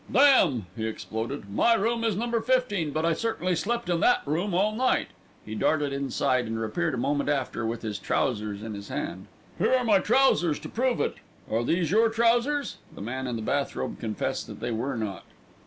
"Damme," he exploded, "my room is No. 15, but I certainly slept in that room all night." He darted inside and reappeared a moment after with his trousers in his hand. "Here are my trousers to prove it. Are these your trousers?" The man in the bath robe confessed that they were not.